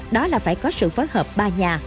đó là phải có sự phối hợp ba nhà